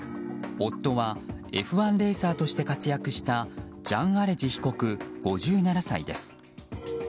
夫はＦ１レーサーとして活躍したジャン・アレジ被告、５７歳です。